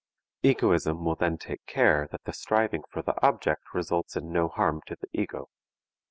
Egoism will then take care that the striving for the object results in no harm to the ego.